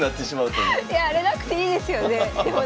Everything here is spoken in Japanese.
いやあれなくていいですよね。